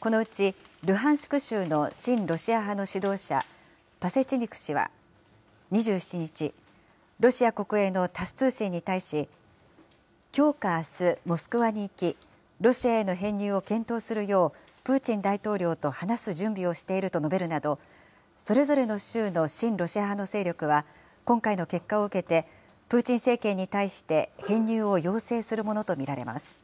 このうち、ルハンシク州の親ロシア派の指導者、パセチニク氏は、２７日、ロシア国営のタス通信に対し、きょうかあす、モスクワに行き、ロシアへの編入を検討するよう、プーチン大統領と話す準備をしていると述べるなど、それぞれの州の親ロシア派の勢力は、今回の結果を受けて、プーチン政権に対して編入を要請するものと見られます。